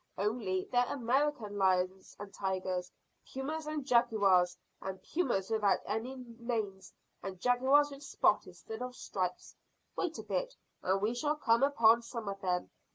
Only they're American lions and tigers pumas and jaguars, and pumas without any manes, and jaguars with spots instead of stripes. Wait a bit, and we shall come upon some of them.